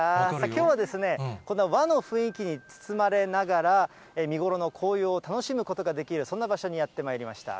きょうは、この和の雰囲気に包まれながら、見頃の紅葉を楽しむことができる、そんな場所にやってまいりました。